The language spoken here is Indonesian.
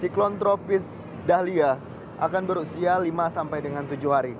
siklon tropis dahlia akan berusia lima sampai dengan tujuh hari